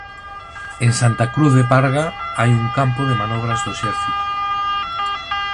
En Santa Cruz de Parga hai un campo de manobras do Exército.